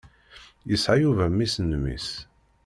Yesɛa Yuba mmi-s n mmi-s.